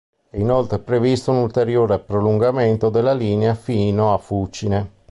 È inoltre previsto un ulteriore prolungamento della linea fino a Fucine.